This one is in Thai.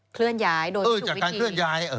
เคลื่อนย้ายโดยเออจากการเคลื่อนย้าย